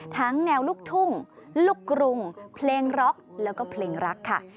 ทั้งแนวลูกทุ่งลูกกรุงเพลงร็อกแล้วก็เพลงรักค่ะ